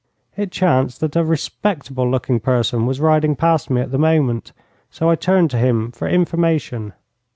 It chanced that a respectable looking person was riding past me at the moment, so I turned to him for information.